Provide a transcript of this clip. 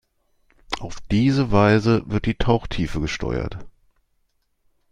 Auf diese Weise wird die Tauchtiefe gesteuert.